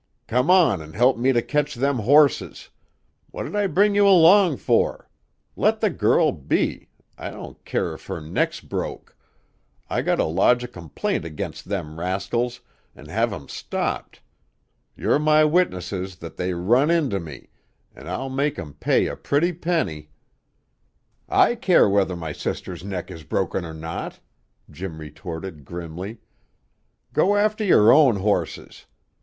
"Come on an' help me to ketch them horses! What'd I bring you along for? Let the girl be, I don't ker if her neck's broke! I got to lodge a complaint against them rascals, an' have 'em stopped! You're my witnesses that they run into me, an' I'll make 'em pay a pretty penny " "I care whether my sister's neck is broken or not!" Jim retorted grimly. "Go after your own horses.